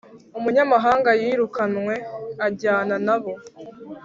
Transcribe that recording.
Umunyamahanga wirukanywe ajyana n abo